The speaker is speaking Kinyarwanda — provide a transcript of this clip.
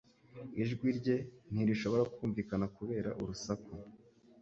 Ijwi rye ntirishobora kumvikana kubera urusaku